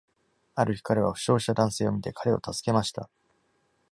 ある日彼は負傷した男性を見て、彼を助けました。